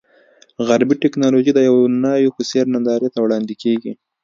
غربي ټکنالوژي د یوې ناوې په څېر نندارې ته وړاندې کېږي.